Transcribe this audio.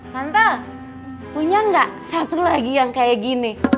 tante punya gak satu lagi yang kayak gini